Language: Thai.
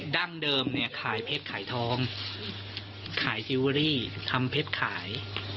ดั้งเดิมเนี่ยขายเพชรขายทองขายซิเวอรี่ทำเพชรขาย